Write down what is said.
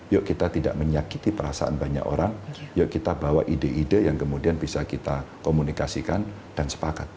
yuk kita tidak menyakiti perasaan banyak orang yuk kita bawa ide ide yang kemudian bisa kita komunikasikan dan sepakat